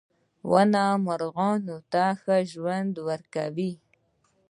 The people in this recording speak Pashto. • ونه مرغانو ته ښه ژوند ورکوي.